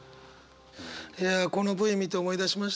いやこのＶ見て思い出しました。